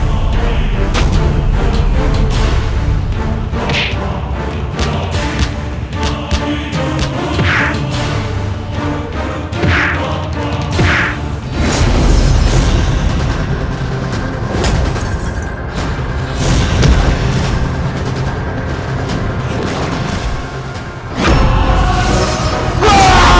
aku akan mengusahamu terlebih dahulu